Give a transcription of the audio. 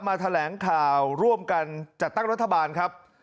แถลงข่าวร่วมกันจัดตั้งรัฐบาลครับ